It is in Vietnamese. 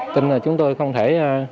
tin là chúng tôi không thể